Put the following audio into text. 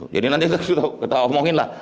jadi nanti kita omongin lah